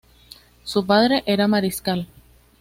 Su padre era mariscal.